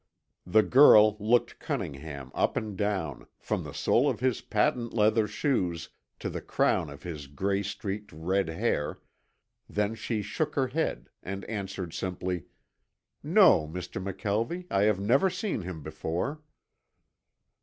The girl looked Cunningham up and down, from the sole of his patent leather shoes to the crown of his gray streaked red hair, then she shook her head and answered simply, "No, Mr. McKelvie, I have never seen him before."